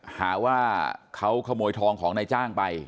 หาว่าเขาขโมยทองของนายจ้างไป